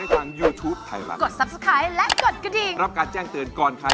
ขยับขยับเข้ามาสิ